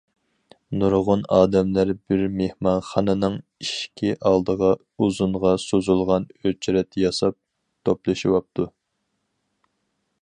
نۇرغۇن ئادەملەر بىر مېھمانخانىنىڭ ئىشىكى ئالدىغا ئۇزۇنغا سوزۇلغان ئۆچرەت ياساپ توپلىشىۋاپتۇ.